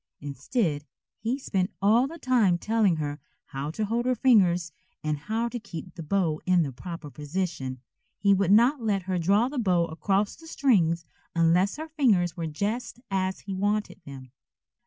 Instead, he spent all the time telling her how to hold her fingers and how to keep the bow in the proper position. He would not let her draw the bow across the strings unless her fingers were just as he wanted them.